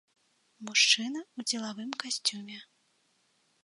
Мужчына ў дзелавым касцюме.